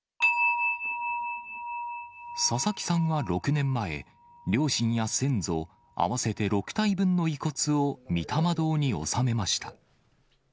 佐々木さんは６年前、両親や先祖、合わせて６体分の遺骨を御霊堂に納めました。